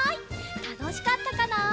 たのしかったかな？